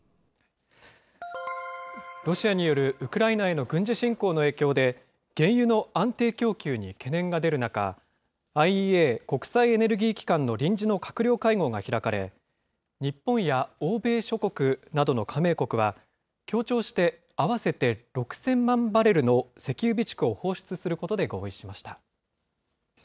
ロシアによるウクライナへの軍事侵攻の影響で、原油の安定供給に懸念が出る中、ＩＥＡ・国際エネルギー機関の臨時の閣僚会合が開かれ、日本や欧米諸国などの加盟国は、協調して合わせて６０００万バレルの石油備蓄を放出することで合意しました。